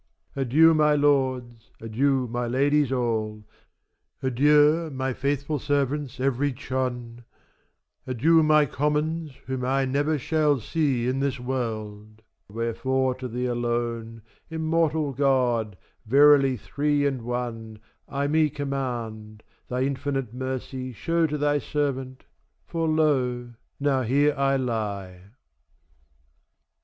Adieu my lords, adieu my ladies all, Adieu my faithful servants every chone, 16 Adieu my commons, whom I never shall See in this world; wherefore to the alone,17 Immortal God, verily three and one, I me commend; thy infinite mercy Shew to thy servant, for lo now here I lie.